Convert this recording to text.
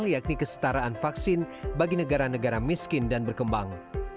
yakni kesetaraan vaksin bagi negara negara miskin dan berkembang